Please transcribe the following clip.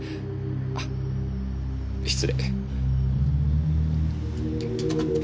あっ失礼。